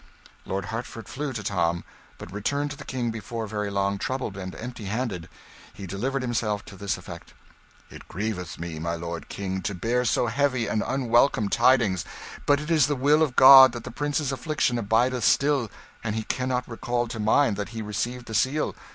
Lord Hertford flew to Tom, but returned to the King before very long, troubled and empty handed. He delivered himself to this effect "It grieveth me, my lord the King, to bear so heavy and unwelcome tidings; but it is the will of God that the prince's affliction abideth still, and he cannot recall to mind that he received the Seal.